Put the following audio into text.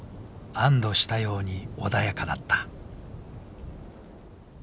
安どしたように穏やかだった。